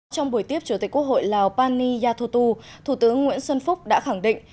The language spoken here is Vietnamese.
trong buổi tiếp chủ tịch quốc hội lào pani yathutu thủ tướng nguyễn xuân phúc đã khẳng định